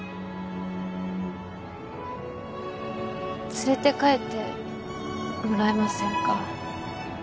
連れて帰ってもらえませんか？